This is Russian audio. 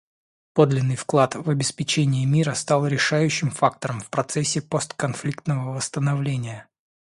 Подлинный вклад в обеспечение мира стал решающим фактором в процессе постконфликтного восстановления.